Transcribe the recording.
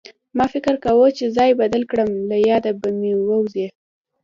ما فکر کوه چې ځای بدل کړم له ياده به مې ووځي